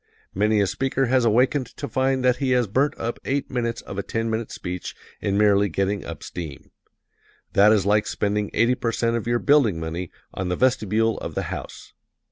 Many a speaker has awakened to find that he has burnt up eight minutes of a ten minute speech in merely getting up steam. That is like spending eighty percent of your building money on the vestibule of the house.